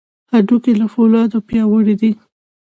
هډوکي له فولادو پیاوړي دي.